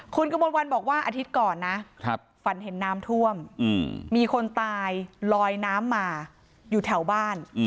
คุณกระมวลวันบอกว่าอาทิตย์ก่อนนะฝันเห็นน้ำท่วมมีคนตายลอยน้ำมาอยู่แถวบ้าน